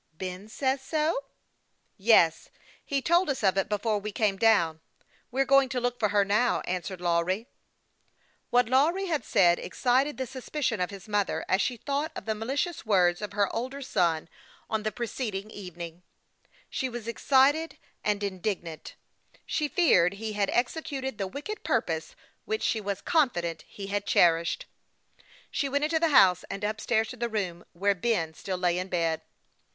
" Ben says so ?"" Yes ; he told us of it before we came down. We are going to look for her now," answered Lawry, as he took the oars, and left the shed. What Lawry had said excited the suspicion of his mother, as she thought of the malicious words of her older son on the preceding evening. She was excited and indignant ; she feared he had executed the wicked purpose which she was confident he had cherished. She went into the house, and up stairs to the room where Ben still lay in bed.